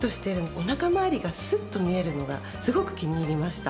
おなか回りがスッと見えるのがすごく気に入りました。